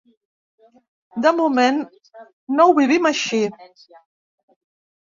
De moment, no ho vivim així.